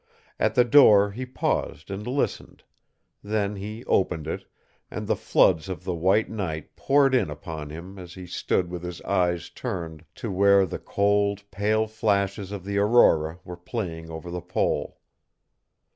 At the door he paused and listened; then he opened it, and the floods of the white night poured in upon him as he stood with his eyes turned to where the cold, pale flashes of the aurora were playing over the pole.